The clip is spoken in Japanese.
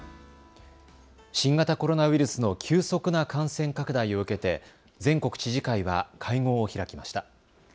新型コロナウイルスの急速な感染拡大を受けて全国知事会は会合を開きました。